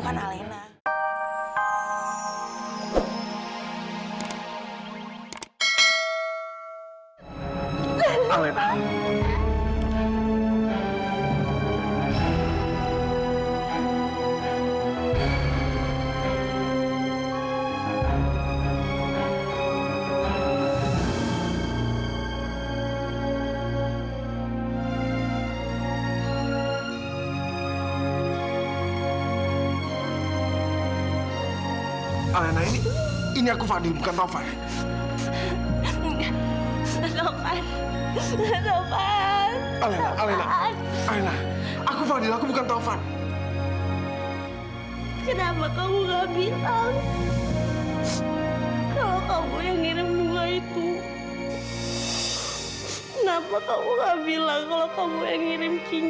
kenapa kamu gak bilang kalau kamu yang ngirim cincin